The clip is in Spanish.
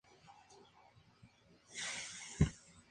Las cifras de bajas por ambos bandos dependen de las fuentes.